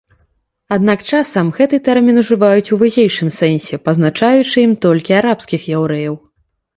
Аднак часам гэты тэрмін ужываюць у вузейшым сэнсе, пазначаючы ім толькі арабскіх яўрэяў.